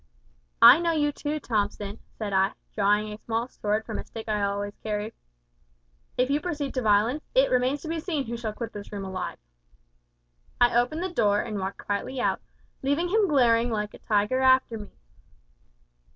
"`I know you, too, Thomson,' said I, drawing a small sword from a stick which I always carried. `If you proceed to violence, it remains to be seen who shall quit this room alive.' "I opened the door and walked quietly out, leaving him glaring like a tiger after me.